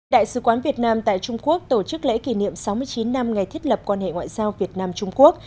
đại sứ quán việt nam tại trung quốc tổ chức lễ kỷ niệm sáu mươi chín năm ngày thiết lập quan hệ ngoại giao việt nam trung quốc